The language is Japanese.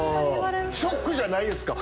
ショックじゃないですか？